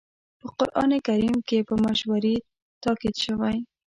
په قرآن کريم کې په مشورې تاکيد شوی.